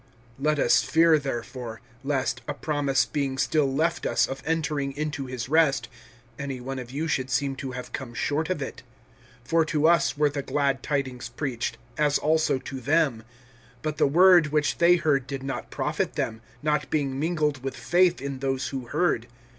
LET us fear therefore, lest, a promise being still left us of entering into his rest, any one of you should seem to have come short of it. (2)For to us were the glad tidings preached, as also to them; but the word which they heard did not profit them, not being mingled with faith in those who heard.